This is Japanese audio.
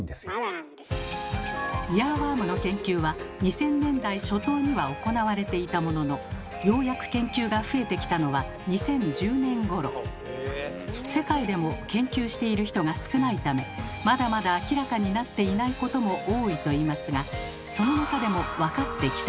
イヤーワームの研究は２０００年代初頭には行われていたもののようやく世界でも研究している人が少ないためまだまだ明らかになっていないことも多いといいますがその中でもわかってきたことが。